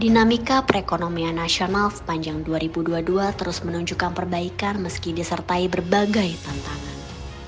dinamika perekonomian nasional sepanjang dua ribu dua puluh dua terus menunjukkan perbaikan meski disertai berbagai tantangan